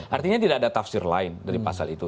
artinya tidak ada tafsir lain dari pasal itu